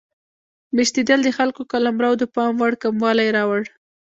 میشتېدل د خلکو قلمرو د پام وړ کموالی راوړ.